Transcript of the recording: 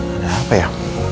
ada apa ya